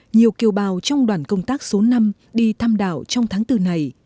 nhiều kiều bào trong đoàn công tác số năm đi thăm đảo trong tháng bốn này